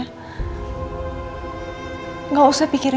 kamu bisa kan fokus sama elsa dan keisha